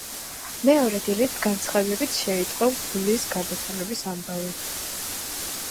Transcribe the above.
მეორე დილით განცხადებით შეიტყო მღვდლის გარდაცვალების ამბავი.